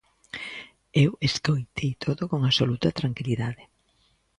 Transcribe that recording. Eu escoitei todo con absoluta tranquilidade.